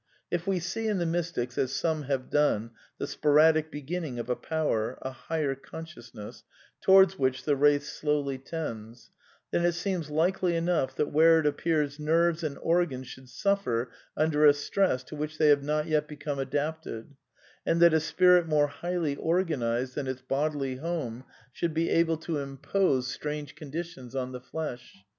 "If we see in the mystics, as some have done, the sporadic beginning of a power, a higher consciousness, towards which the race slowly tends: then it seems likely enough that wher< it appears nerves and organs should suffer under a stress t( which they have not yet become adapted, and that a spirit mor< highly organised than its bodily home should be able to impose) f 268 A DEFENCE OF IDEALISM strange conditions on the flesh.